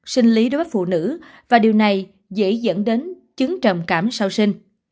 sinh lý đối với phụ nữ và điều này dễ dẫn đến chứng trầm cảm sau sinh